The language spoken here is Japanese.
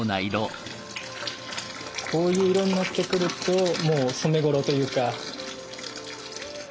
こういう色になってくるともう染め頃というか。